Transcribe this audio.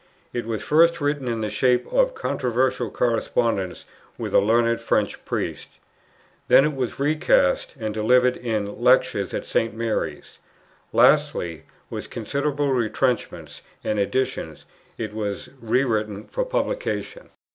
It was first written in the shape of controversial correspondence with a learned French Priest; then it was re cast, and delivered in Lectures at St. Mary's; lastly, with considerable retrenchments and additions, it was rewritten for publication.